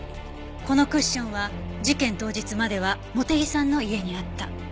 このクッションは事件当日までは茂手木さんの家にあった。